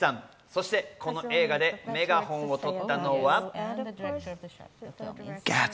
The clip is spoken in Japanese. そしてこの映画でメガホンを取ったのは。